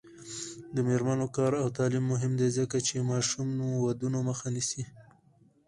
د میرمنو کار او تعلیم مهم دی ځکه چې ماشوم ودونو مخه نیسي.